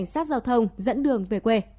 xác giao thông dẫn đường về quê